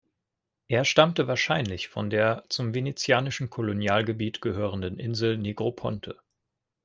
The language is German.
Er stammte wahrscheinlich von der zum venezianischen Kolonialgebiet gehörenden Insel Negroponte.